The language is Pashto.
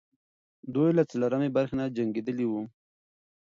دوی له څلورمې برخې نه جنګېدلې وو.